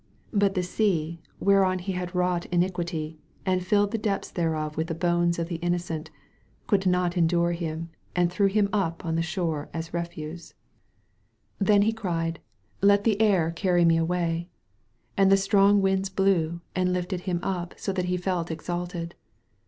But the Sea, whereon he had wrought iniquity, and filled the depths thereof with the bones of the innocent, could not endure him and threw him up on the shore as refuse. 81 THE VALLEY OP VISION Then he cried, "Let the Air cany me away!" And the strong winds blew, and lifted him up so that he fdt exalted.